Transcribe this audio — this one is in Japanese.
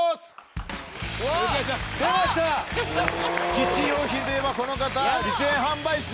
キッチン用品といえばこの方。